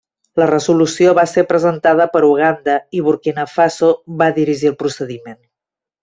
La resolució va ser presentada per Uganda, i Burkina Faso va dirigir el procediment.